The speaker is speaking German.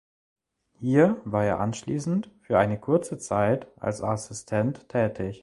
Hier war er anschließend für eine kurze Zeit als Assistent tätig.